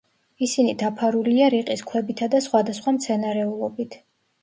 ისინი დაფარულია რიყის ქვებითა და სხვადასხვა მცენარეულობით.